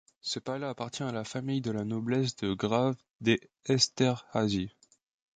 Ce palais appartient à la famille de la noblesse de grave des Esterházy.